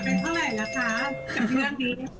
เป็นเท่าไหร่รักษาจากเรื่องนี้